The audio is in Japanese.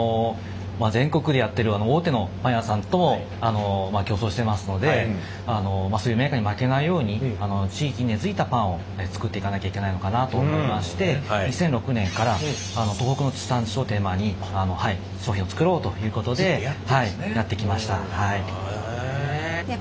全国でやってる大手のパン屋さんと競争してますのでそういうメーカーに負けないように地域に根づいたパンを作っていかなきゃいけないのかなと思いまして２００６年から東北の地産地消をテーマに商品を作ろうということでやってきました。